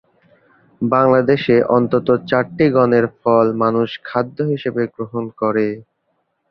বাংলাদেশে অন্তত চারটি গণের ফল মানুষ খাদ্য হিসেবে গ্রহণ করে।